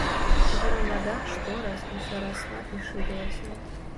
Грамада што раз усё расла і шырылася.